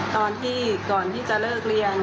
ตอนที่ก่อนที่จะเลิกเรียน